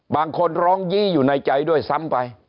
บางคนร้องยี้อยู่ในใจด้วยซ้ำไป